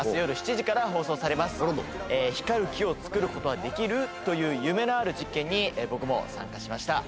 光る木を作ることはできる？という夢のある実験に僕も参加しました。